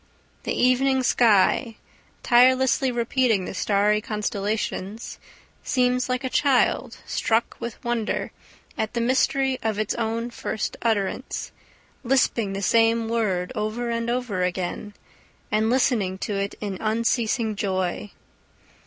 The evening sky, tirelessly repeating the starry constellations, seems like a child struck with wonder at the mystery of its own first utterance, lisping the same word over and over again, and listening to it in unceasing joy.